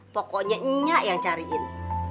pokoknya nnya yang cariin